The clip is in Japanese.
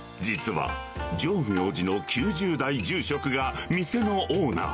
実は、浄妙寺の９０代住職が店のオーナー。